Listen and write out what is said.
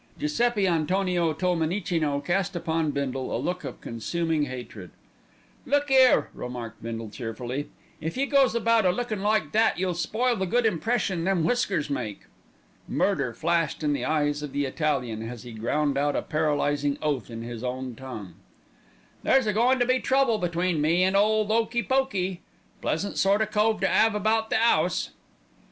Giuseppi Antonio Tolmenicino cast upon Bindle a look of consuming hatred. "Look 'ere," remarked Bindle cheerfully, "if you goes about a lookin' like that, you'll spoil the good impression them whiskers make." Murder flashed in the eyes of the Italian, as he ground out a paralysing oath in his own tongue. "There's a goin' to be trouble between me an' ole 'Okey Pokey. Pleasant sort o' cove to 'ave about the 'ouse."